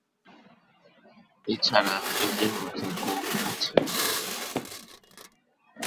এছাড়া এদের মুখে গোঁফ আছে।